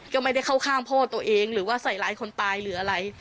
ก็ไม่ได้เข้าข้างพ่อตัวเองหรือว่าใส่ร้ายคนตายหรืออะไร